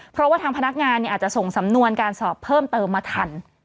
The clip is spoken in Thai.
เพราะว่าทางพนักงานอาจจะส่งสำนวนการสอบเพิ่มเติมมาทัน